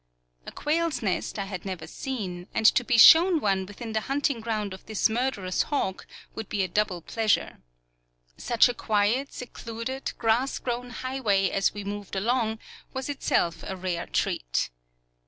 A quail's nest I had never seen, and to be shown one within the hunting ground of this murderous hawk would be a double pleasure. Such a quiet, secluded, grass grown highway as we moved along was itself a rare treat.